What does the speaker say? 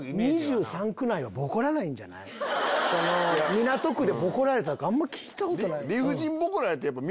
港区でボコられたってあんま聞いたことない。